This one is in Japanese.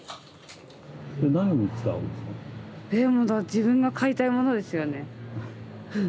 自分が買いたいものですよね。